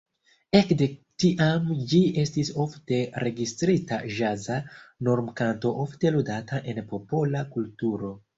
Ekde tiam ĝi estis ofte registrita ĵaza normkanto ofte ludata en popola kulturo.